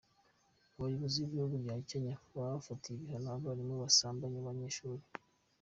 Abayobozi b’igihugu cya Kenya bafatiye ibihano abarimu basambanye n’abanyeshuri.